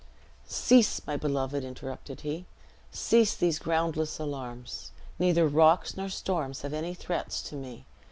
"Cease, my beloved!" interrupted he, "cease these groundless alarms. Neither rocks nor storms have any threats to me.